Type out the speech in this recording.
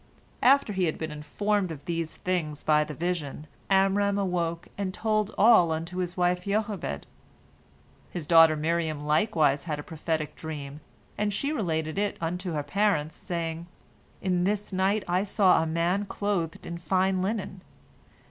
After he had been informed of these things by the vision, Amram awoke, and told all unto his wife Jochebed. His daughter Miriam likewise had a prophetic dream, and she related it unto her parents, saying: "In this night I saw a man clothed in fine linen.